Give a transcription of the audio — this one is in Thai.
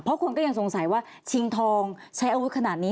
เพราะคนก็ยังสงสัยว่าชิงทองใช้อาวุธขนาดนี้